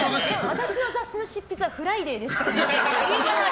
私の雑誌の執筆は「フライデー」ですからね。